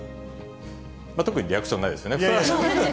特にリアクションないですね？